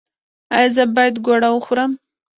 ایا زه باید ګوړه وخورم؟